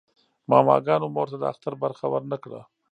ماماګانو مور ته د اختر برخه ورنه کړه.